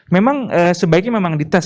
memang sebaiknya memang di tes